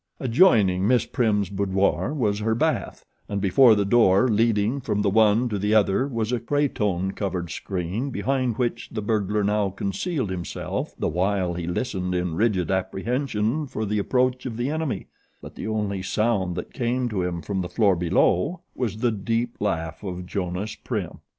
Adjoining Miss Prim's boudoir was her bath and before the door leading from the one to the other was a cretonne covered screen behind which the burglar now concealed himself the while he listened in rigid apprehension for the approach of the enemy; but the only sound that came to him from the floor below was the deep laugh of Jonas Prim.